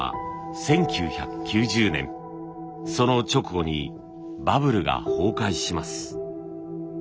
その直後にバブルが崩壊します。